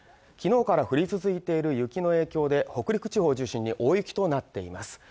昨日から降り続いている雪の影響で北陸地方を中心に大雪となっています